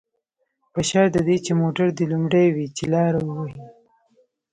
په شرط د دې چې موټر دې لومړی وي، چې لاره ووهي.